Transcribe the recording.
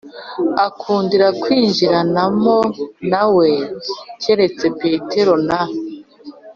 akundira kwinjiranamo na we keretse Petero na